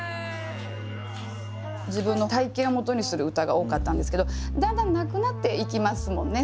自分の体験をもとにする歌が多かったんですけどだんだんなくなっていきますもんね